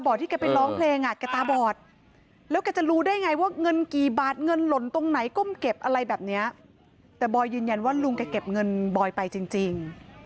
บอยยืนยันว่าลุงจะเก็บเงินบอยไปจริง